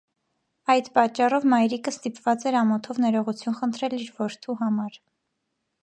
Այդ պատճառով մայրիկը ստիպված էր ամոթով ներողություն խնդրել իր որդու համար։